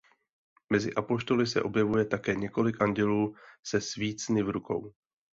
Mezi apoštoly se objevuje také několik andělů se svícny v rukou.